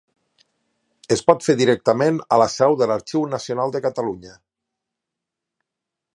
Es pot fer directament a la seu de l'Arxiu Nacional de Catalunya.